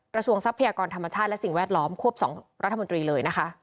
ทรัพยากรธรรมชาติและสิ่งแวดล้อมควบ๒รัฐมนตรีเลยนะคะ